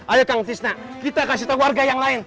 ayo kang tisna kita kasih tahu warga yang lain